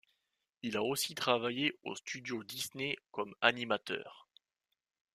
Il a aussi travaillé aux Studios Disney comme animateur.